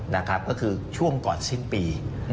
นะครับก็คือช่วงก่อนสิ้นปี